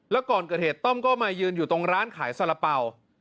แล้วก่อนเกิดเหตุต้อมก็มายืนอยู่ตรงร้านขายสาระเป๋า